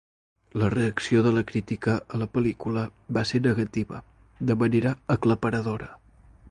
La reacció de la crítica a la pel·lícula va ser negativa de manera aclaparadora.